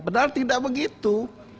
padahal tidak begitu